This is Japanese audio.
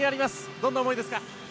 どんな思いですか？